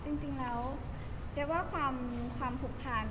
จริงแล้วเจ๊ว่าความผูกพัน